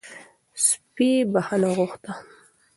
سپي بښنه غوښته